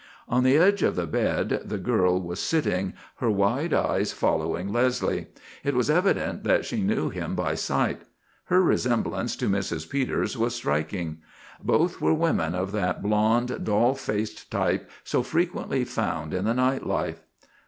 On the edge of the bed the girl was sitting, her wide eyes following Leslie. It was evident that she knew him by sight. Her resemblance to Mrs. Peters was striking. Both were women of that blonde, doll faced type so frequently found in the night life.